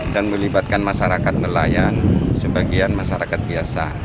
dan melibatkan masyarakat nelayan sebagian masyarakat biasa